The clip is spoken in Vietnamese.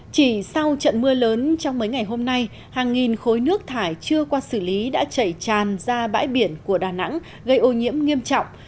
chỉ sau trận mưa lớn trong mấy ngày hôm nay hàng nghìn khối nước thải chưa qua xử lý đã chảy tràn ra bãi biển của đà nẵng gây ô nhiễm nghiêm trọng